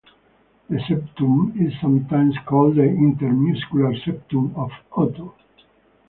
The septum is sometimes called the intermuscular septum of Otto.